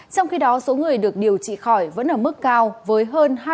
trong khi đó số người được điều trị khỏi vẫn ở mức cao với hơn hai mươi năm năm trăm linh người